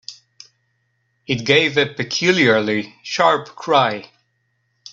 It gave a peculiarly sharp cry.